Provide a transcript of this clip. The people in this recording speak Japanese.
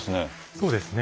そうですね。